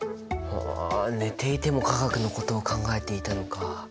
はあ寝ていても化学のことを考えていたのか。